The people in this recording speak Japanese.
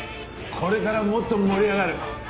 これからもっと盛り上がる。